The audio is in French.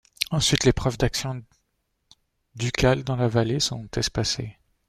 Ensuite les preuves de l'action ducale dans la vallée sont espacées.